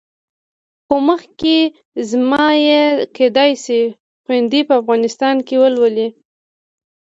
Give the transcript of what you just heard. خو مخکې زما یې کېدای شي خویندې په افغانستان کې ولولي.